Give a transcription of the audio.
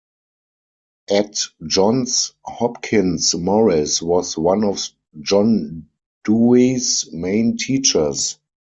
At Johns Hopkins Morris was one of John Dewey's main teachers.